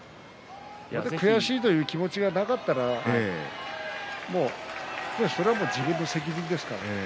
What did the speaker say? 悔しいという気持ちがなかったらそれは自分の責任ですから。